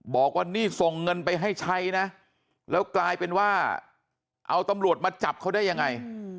บอกว่านี่ส่งเงินไปให้ใช้นะแล้วกลายเป็นว่าเอาตำรวจมาจับเขาได้ยังไง